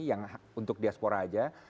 yang untuk diaspora aja